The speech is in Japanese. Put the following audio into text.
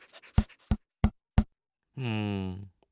うん。